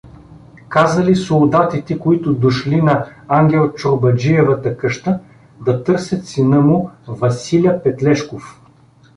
Казали солдатите, които дошли на Ангелчорбаджиевата къща да търсят сина му Василя Петлешков.